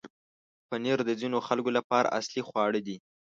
پنېر د ځینو خلکو لپاره اصلي خواړه دی.